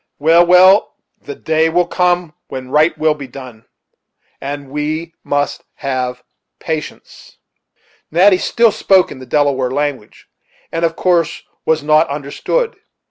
Well, well the day will come when right will be done; and we must have patience." Natty still spoke in the Delaware language, and of course was not understood.